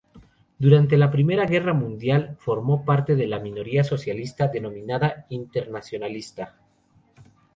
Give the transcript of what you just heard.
Durante la Primera Guerra Mundial, formó parte de la minoría socialista denominada internacionalista.